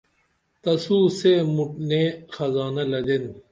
تسو سے مُٹ نے خزانہ لدین